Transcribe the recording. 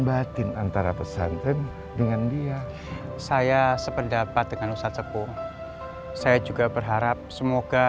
batin antara pesantren dengan dia saya sependapat dengan ustadz sepuh saya juga berharap semoga